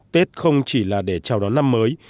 tết không chỉ là để chào đón năm mới